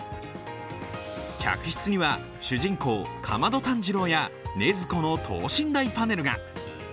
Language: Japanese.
客室には主人公・竈門炭治郎や禰豆子の等身大パネルが。